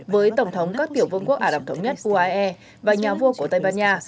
với tổng thống các tiểu vương quốc ả rập thống nhất uae và nhà vua của tây ban nha